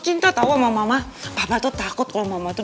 cinta tahu sama mama papa tuh takut kalau mama tuh